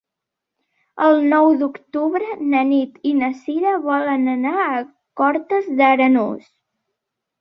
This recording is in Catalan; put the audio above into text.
El nou d'octubre na Nit i na Cira volen anar a Cortes d'Arenós.